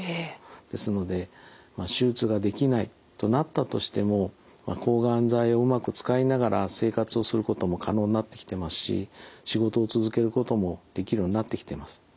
ですので手術ができないとなったとしても抗がん剤をうまく使いながら生活をすることも可能になってきてますし仕事を続けることもできるようになってきてます。